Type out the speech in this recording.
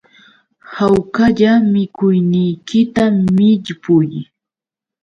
Hawkalla mikuyniykita millpuy